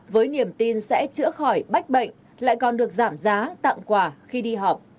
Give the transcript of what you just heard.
với niềm tin sẽ chữa khỏi bách bệnh lại còn được giảm giá tặng quà khi đi học